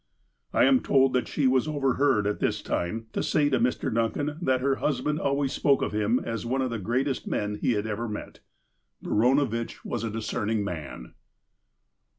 I am told that she was overheard, at this time, to say to Mr. Duncan that her husband always spoke of him as one of the greatest men he had ever met. Baranovitch was a discerning man.